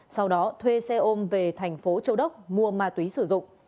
sau đó thuê xe ôm về thành phố châu đốc mua ma túy sử dụng